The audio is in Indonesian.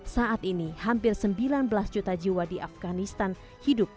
saat ini hampir sembilan belas juta jiwa di afganistan hidup